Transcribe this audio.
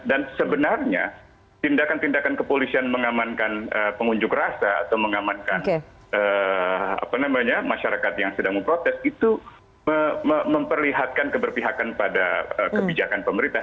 dan sebenarnya tindakan tindakan kepolisian mengamankan pengunjuk rasa atau mengamankan masyarakat yang sedang memprotes itu memperlihatkan keberpihakan pada kebijakan pemerintah